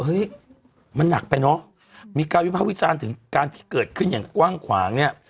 เฮ้ยมันหนักไปเนอะมีการวิภาควิจารณ์ถึงการที่เกิดขึ้นอย่างกว้างขวางเนี่ย